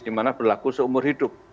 dimana berlaku seumur hidup